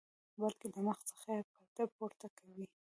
بلکې د مخ څخه یې پرده پورته کوي.